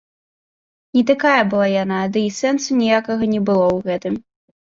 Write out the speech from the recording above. Не такая была яна, ды і сэнсу ніякага не было ў гэтым.